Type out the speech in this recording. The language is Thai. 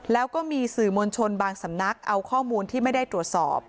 แล้วก็มีสื่อมวลชนบางสำนักเอาข้อมูลที่ไม่ได้ตรวจสอบ